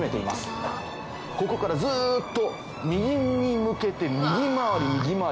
ここからずっと右に向けて。